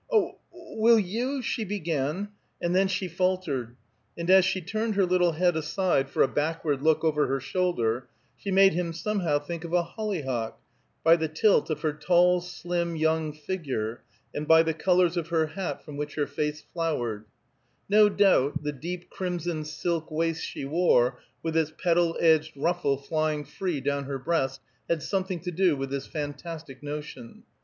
"Oh! will you " she began, and then she faltered; and as she turned her little head aside for a backward look over her shoulder, she made him, somehow, think of a hollyhock, by the tilt of her tall, slim, young figure, and by the colors of her hat from which her face flowered; no doubt the deep crimson silk waist she wore, with its petal edged ruffle flying free down her breast, had something to do with his fantastic notion.